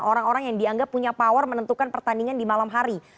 orang orang yang dianggap punya power menentukan pertandingan di malam hari